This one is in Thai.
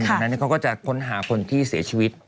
จากนั้นเขาก็จะค้นหาคนที่เสียชีวิต